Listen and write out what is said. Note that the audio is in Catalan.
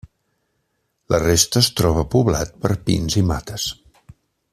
La resta es troba poblat per pins i mates.